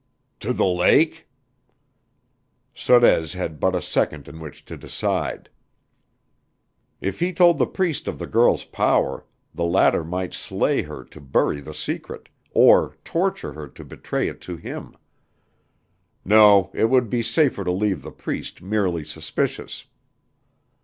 "To the lake?" Sorez had but a second in which to decide. If he told the Priest of the girl's power, the latter might slay her to bury the secret, or torture her to betray it to him. No, it would be safer to leave the Priest merely suspicious.